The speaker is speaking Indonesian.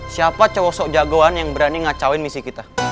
siapa cowok jagoan yang berani ngacauin misi kita